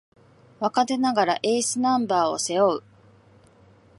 若手ながらエースナンバーを背負う